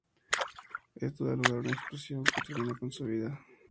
Esto da lugar a una explosión que termina su vida.